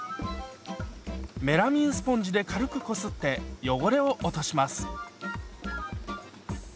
メラミンスポンジで軽くこすって汚れを落とします。